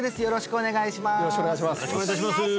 よろしくお願いします